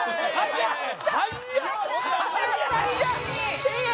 １０００円！